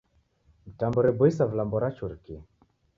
Mitambo reboisa vilambo rachurikie.